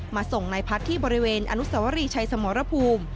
มาส่งนายพัฒน์ที่บริเวณอนุสวรีชัยสมรภูมิ